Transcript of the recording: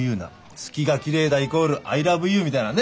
月がきれいだイコールアイラブユーみたいなね。